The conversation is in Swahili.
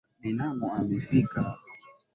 Binamu amefika